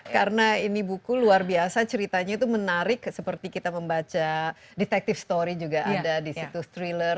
karena ini buku luar biasa ceritanya itu menarik seperti kita membaca detective story juga ada di situs thriller